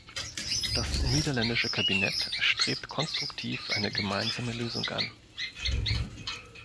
Das niederländische Kabinett strebt konstruktiv eine gemeinsame Lösung an.